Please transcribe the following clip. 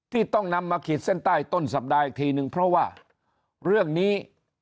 ที่ต้องนำมาขีดเส้นใต้ต้นสัปดาห์อีกทีนึงเพราะว่าเรื่องนี้